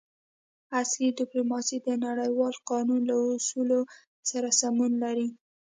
عصري ډیپلوماسي د نړیوال قانون له اصولو سره سمون لري